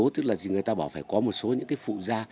tức là người ta bảo phải có một số những cái phụ da